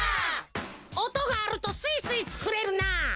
おとがあるとすいすいつくれるな！